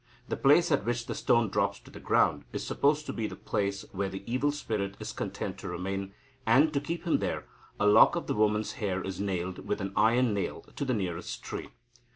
The place at which the stone drops to the ground is supposed to be the place where the evil spirit is content to remain, and, to keep him there, a lock of the woman's hair is nailed with an iron nail to the nearest tree."